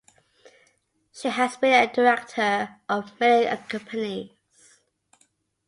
She has been a director of many companies.